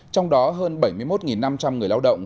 trong đó hơn bảy mươi một năm trăm linh người lao động